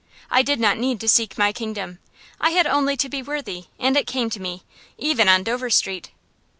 I did not need to seek my kingdom. I had only to be worthy, and it came to me, even on Dover Street.